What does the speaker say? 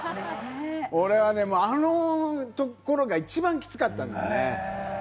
俺は、あそこのところが一番きつかったんでね。